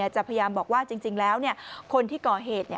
จะพยายามบอกว่าจริงแล้วคนที่ก่อเหตุ